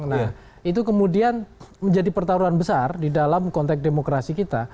nah itu kemudian menjadi pertaruhan besar di dalam konteks demokrasi kita